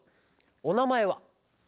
おなまえは？